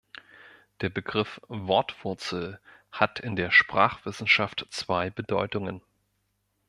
Der Begriff "Wortwurzel" hat in der Sprachwissenschaft zwei Bedeutungen.